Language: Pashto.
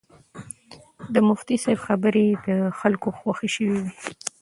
د مفتي صاحب خبرې د خلکو خوښې شوې وې.